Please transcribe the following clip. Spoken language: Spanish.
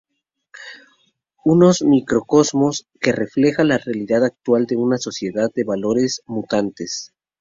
Un microcosmos que refleja la realidad actual de una sociedad de valores mutantes.